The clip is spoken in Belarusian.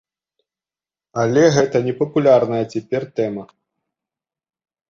Але гэта непапулярная цяпер тэма.